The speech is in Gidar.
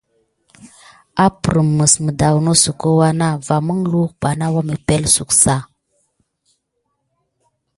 Apprem mis neda nosuko wana va nəngluwek ɓa na wannəsepsuk ɓa.